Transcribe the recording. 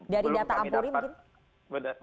dari data ampuni mungkin